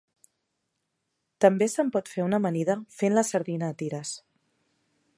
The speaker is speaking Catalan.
També se'n pot fer una amanida fent la sardina a tires.